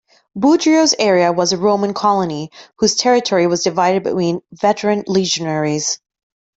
Budrio's area was a Roman colony, whose territory was divided between veteran legionaries.